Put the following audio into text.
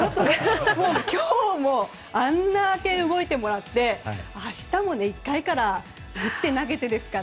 今日もあれだけ動いてもらって明日も１回から打って、投げてですから。